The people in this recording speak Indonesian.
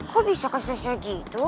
kok bisa keser ser gitu